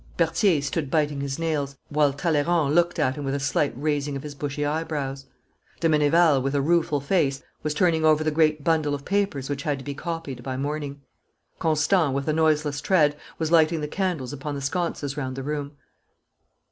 Berthier stood biting his nails, while Talleyrand looked at him with a slight raising of his bushy eyebrows. De Meneval with a rueful face was turning over the great bundle of papers which had to be copied by morning. Constant, with a noiseless tread, was lighting the candles upon the sconces round the room.